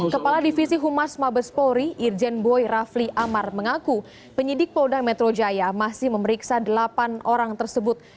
kepala divisi humas mabes polri irjen boy rafli amar mengaku penyidik polda metro jaya masih memeriksa delapan orang tersebut